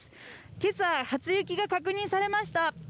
今朝、初雪が確認されました。